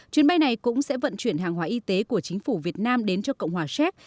chuyến bay này cũng sẽ vận chuyển hàng hóa y tế của chính phủ việt nam đến cho cộng hòa séc